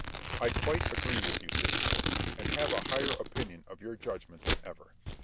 Berg. I quite agree with you Scipio, and have a higher opinion of your judgment than ever.